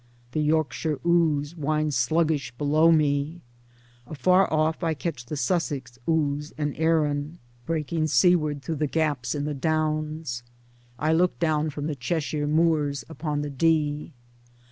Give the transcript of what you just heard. The Yorkshire Ouse winds sluggish below me ; afar off I catch the Sussex Ouse and the Arun, breaking seaward through their gaps in the Downs ; I look down from the Cheshire moors upon the Dee.